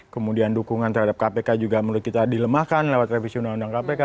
kemudian dukungan terhadap kpk juga menurut kita dilemahkan lewat revisi undang undang kpk